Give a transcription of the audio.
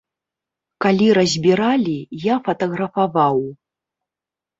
Калі разбіралі, я фатаграфаваў.